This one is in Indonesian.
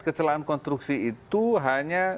kecelakaan konstruksi itu hanya